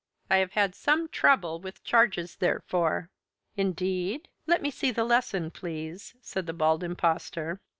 I have had some trouble with 'Charges Therefor.'" "Indeed? Let me see the lesson, please," said the Bald Impostor.